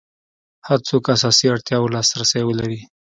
هر څوک اساسي اړتیاوو لاس رسي ولري.